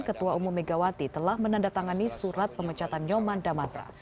ketua umum megawati telah menandatangani surat pemecatan nyomanda mantra